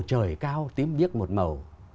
trời cao tím biếc một màu